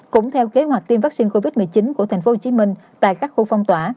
cũng theo kế hoạch tiêm vaccine covid một mươi chín của thành phố hồ chí minh tại các khu phong tỏa